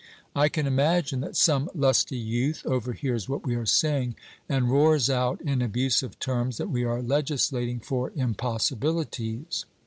I can imagine that some lusty youth overhears what we are saying, and roars out in abusive terms that we are legislating for impossibilities.